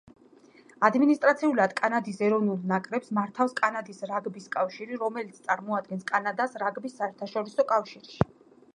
ადმინისტრაციულად კანადის ეროვნულ ნაკრებს მართავს კანადის რაგბის კავშირი, რომელიც წარმოადგენს კანადას რაგბის საერთაშორისო კავშირში.